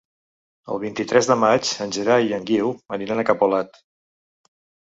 El vint-i-tres de maig en Gerai i en Guiu aniran a Capolat.